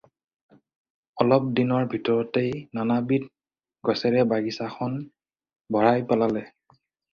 অলপ দিনৰ ভিতৰতে নানাবিধ গছেৰে বাগিচা খন ভৰাই পেলালে।